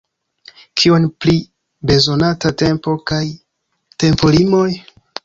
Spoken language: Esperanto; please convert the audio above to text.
Kion pri bezonata tempo kaj tempolimoj?